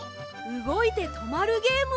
うごいてとまるゲーム？